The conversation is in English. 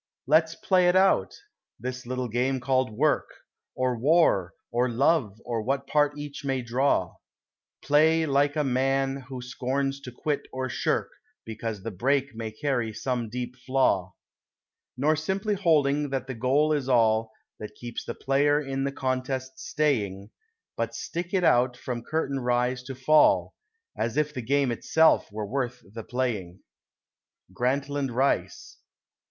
Let's play it out this little game called Work, Or War or Love or what part each may draw; Play like a man who scorns to quit or shirk Because the break may carry some deep flaw; Nor simply holding that the goal is all That keeps the player in the contest staying; But stick it out from curtain rise to fall, As if the game itself were worth the playing. _Grantland Rice.